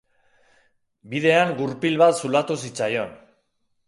Bidean gurpil bat zulatu zitzaion.